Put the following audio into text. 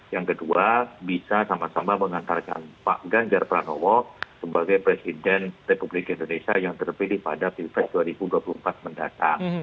yang kedua bisa sama sama mengantarkan pak ganjar pranowo sebagai presiden republik indonesia yang terpilih pada pilpres dua ribu dua puluh empat mendatang